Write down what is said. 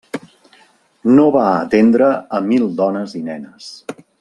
No va atendre a mil dones i nenes.